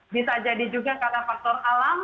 bisa jadi juga karena faktor alam